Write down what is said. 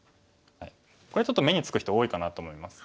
これちょっと目につく人多いかなと思います。